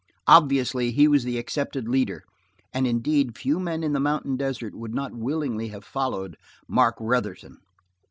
Obviously he was the accepted leader, and indeed few men in the mountain desert would not willingly have followed Mark Retherton.